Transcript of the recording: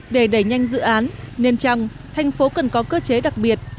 để đẩy nhanh dự án nên chăng thành phố cần có cơ chế đặc biệt